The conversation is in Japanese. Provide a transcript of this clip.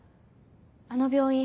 あの病院